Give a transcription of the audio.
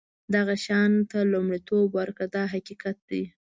دغه شیانو ته لومړیتوب ورکړه دا حقیقت دی.